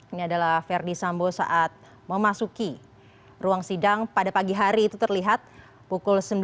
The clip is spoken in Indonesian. ini adalah verdi sambo saat memasuki ruang sidang pada pagi hari itu terlihat pukul sembilan lewat dua puluh enam menit